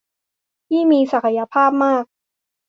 ที่มีศักยภาพมาก